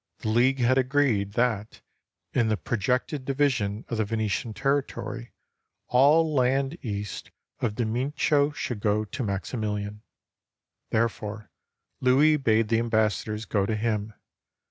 The League had agreed that, in the projected divi sion of the Venetian territory, all land east of the Mincio should go to Maximilian; therefore, Louis bade the am bassadors go to him.